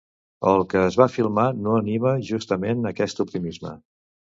El que es va filmar no anima justament aquest optimisme.